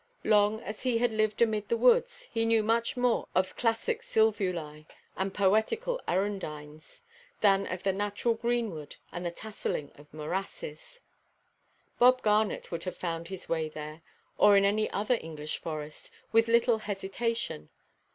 Long as he had lived amid the woods, he knew much more of classic sylvulæ and poetical arundines, than of the natural greenwood, and the tasseling of morasses. Bob Garnet would have found his way there, or in any other English forest, with little hesitation.